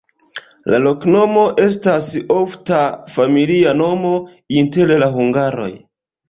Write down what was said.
La loknomo estas ofta familia nomo inter la hungaroj.